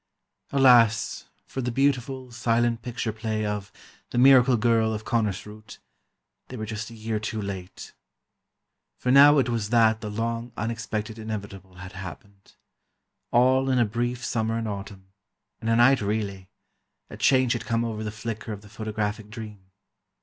Alas, for the beautiful, silent picture play of "The Miracle Girl of Konnersreuth." They were just a year too late! For now it was that the long unexpected inevitable had happened: All in a brief summer and autumn—in a night, really—a change had come over the flicker of the photographic dream